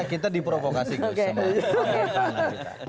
kita diprovokasi gus semua